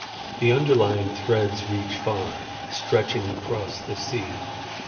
The underlying threads reach far, stretching across the sea.